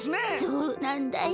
そうなんだよ。